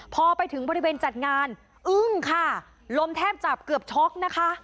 พอไปถึงบริเวณจัดงานอึ้งค่ะลมแทบจับเกือบช็อกนะคะ